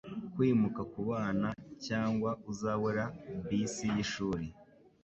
Kwimuka kubana cyangwa uzabura bisi yishuri